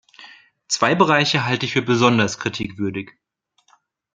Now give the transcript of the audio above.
Zwei Bereiche halte ich für besonders kritikwürdig.